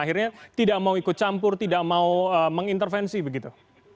akhirnya tidak mau ikut campur tidak mau mengintervensi begitu